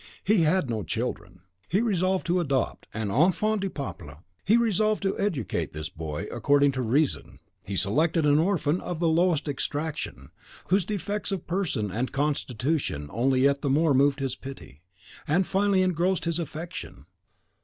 He had no children; he resolved to adopt an enfant du peuple. He resolved to educate this boy according to "reason." He selected an orphan of the lowest extraction, whose defects of person and constitution only yet the more moved his pity, and finally engrossed his affection.